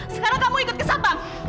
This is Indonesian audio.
sekarang kamu ikut ke sabang